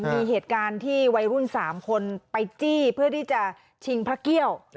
มีเหตุการณ์ที่วัยรุ่น๓คนไปจี้เพื่อที่จะชิงพระเกี้ยว